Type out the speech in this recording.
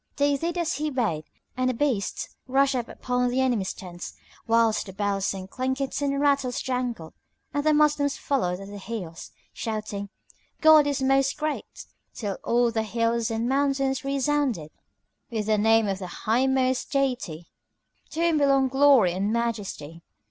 They did as he bade and the beasts rushed upon the enemy's tents, whilst the bells and clinkets and rattles jangled[FN#16] and the Moslems followed at their heels, shouting, "God is Most Great!" till all the hills and mountains resounded with the name of the Highmost Deity, to whom belong glory and majesty!